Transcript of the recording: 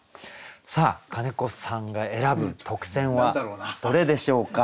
さあ金子さんが選ぶ特選はどれでしょうか？